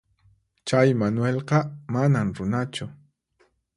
Chay Manuelqa manam runachu.